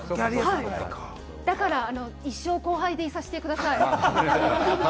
だから一生後輩でいさせてください。